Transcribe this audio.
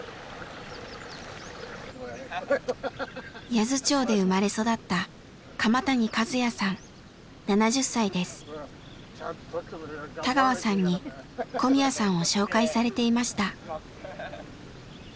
八頭町で生まれ育った田川さんに小宮さんを紹介されていました。